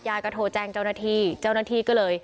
ญาติก็โทรแจ้งเจ้าหน้าที่